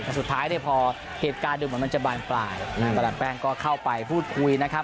แต่สุดท้ายพอเหตุการณ์ดูมันจะบรรปลายแปปแปงก็เข้าไปพูดคุยนะครับ